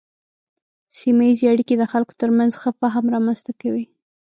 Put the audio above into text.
سیمه ایزې اړیکې د خلکو ترمنځ ښه فهم رامنځته کوي.